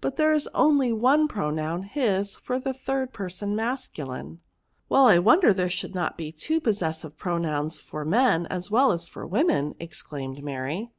But there is only one pronoun, his, for the third person mascuUne." Well, I wonder there should not be two possessive pronouns for men as well as for women," exclaimed Mary.